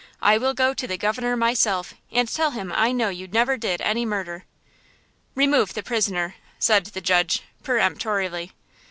I will go to the Governor myself, and tell him I know you never did any murder." "Remove the prisoner," said the judge, peremptorily.